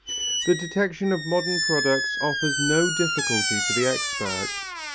The detection of modern products offers no difficulty to the expert.